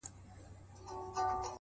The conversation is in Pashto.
هره ورځ د ودې نوی فرصت زېږوي؛